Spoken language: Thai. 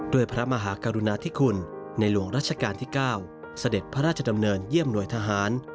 พระมหากรุณาธิคุณในหลวงรัชกาลที่๙เสด็จพระราชดำเนินเยี่ยมหน่วยทหาร